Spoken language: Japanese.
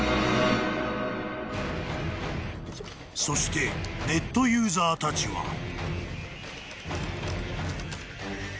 ［そしてネットユーザーたちは］